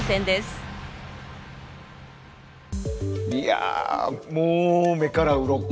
いやもう目からウロコ。